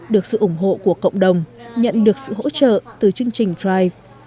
được sự ủng hộ của cộng đồng nhận được sự hỗ trợ từ chương trình drive